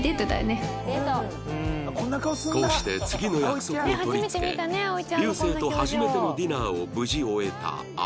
こうして次の約束を取りつけ流星と初めてのディナーを無事終えた葵